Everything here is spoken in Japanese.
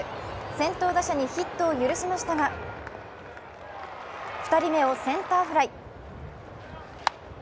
先頭打者にヒットを許しましたが２人目をセンターフライ。